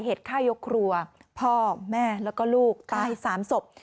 เหตุฆ่ายกครัวพ่อแม่แล้วก็ลูกตาย๓ศพ